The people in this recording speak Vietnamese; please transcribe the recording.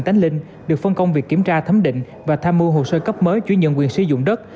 tánh linh được phân công việc kiểm tra thấm định và tham mưu hồ sơ cấp mới chuyển nhận quyền sử dụng đất